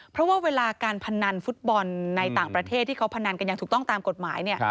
เพราะว่าเวลาการพนันฟุตบอลในต่างประเทศที่เขาพนันกันอย่างถูกต้องตามกฎหมาย